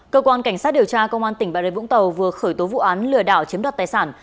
cơ quan cảnh sát điều tra công an tỉnh bà rê vũng tàu vừa khởi tố vụ án lừa đảo chiếm đoạt tài sản